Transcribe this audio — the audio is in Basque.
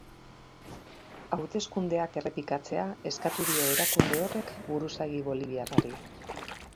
Hauteskundeak errepikatzea eskatu dio erakunde horrek buruzagi boliviarrari.